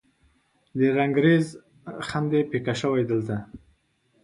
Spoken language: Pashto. د رنګریز خم دې پیکه شوی دلته